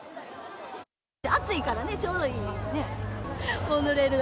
暑いからね、ちょうどいいね。